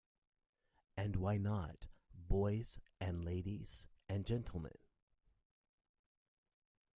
And why not, boys and ladies and gentlemen?